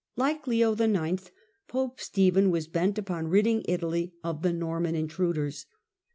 Like Leo IX., pope Stephen was bent upon ridding Italy of the Norman intruders.